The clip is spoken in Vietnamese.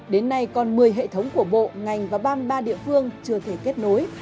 đến nay còn một mươi hệ thống của bộ ngành và ba mươi ba địa phương chưa thể kết nối